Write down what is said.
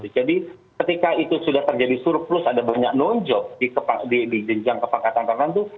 jadi ketika itu sudah terjadi surplus ada banyak nonjok di jenjang kepangkatan kanan itu